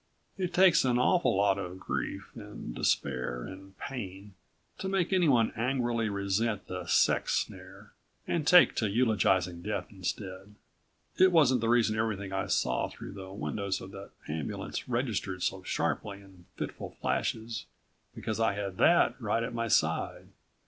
It takes an awful lot of grief and despair and pain to make anyone angrily resent the sex snare, and take to eulogizing Death instead. It wasn't the reason everything I saw through the windows of the ambulance registered so sharply in fitful flashes, because I had that right at my side.